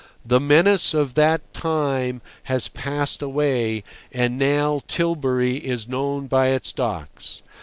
The menace of that time has passed away, and now Tilbury is known by its docks.